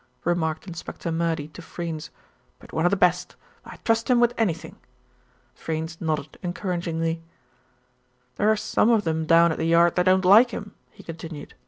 remarked Inspector Murdy to Freynes; "but one of the best. I'd trust him with anything." Freynes nodded encouragingly. "There are some of them down at the Yard that don't like him," he continued.